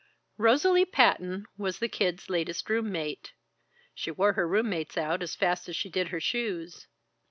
Rosalie Patton was the Kid's latest room mate she wore her room mates out as fast as she did her shoes.